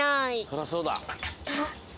そらそうだ。